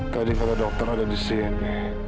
tadi kalau dokter ada di sini